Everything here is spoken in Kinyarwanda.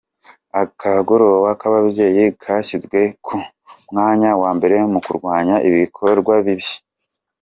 Akagoroba k’ababyeyi kashyizwe ku mwanya wa mbere mu kurwanya ibikorwa bibi